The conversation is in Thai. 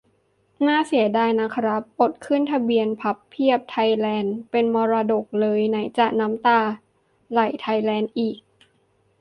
น่าเสียดายนะครับ อดขึ้นทะเบียน "พับเพียบไทยแลนด์" เป็นมรดกโลกเลย ไหนจะ "น้ำตาไหลไทยแลนด์" อีก